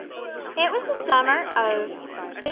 It was the summer of 1556.